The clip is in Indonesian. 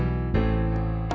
aku mau ke tempat usaha